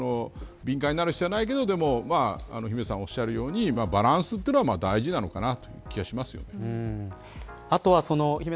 過度に敏感になる必要はないけれどでも姫田さんがおっしゃるようにバランスというのが大事なのかなという気はします。